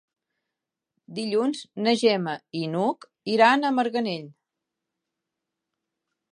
Dilluns na Gemma i n'Hug iran a Marganell.